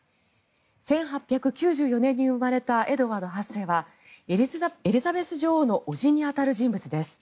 １８９４年に生まれたエドワード８世はエリザベス女王の伯父に当たる人物です。